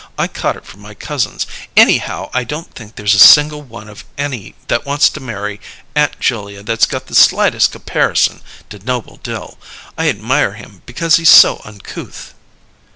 "I caught it from my cousins. Anyhow, I don't think there's a single one of any that wants to marry Aunt Julia that's got the slightest co'parison to Noble Dill. I admire him because he's so uncouth."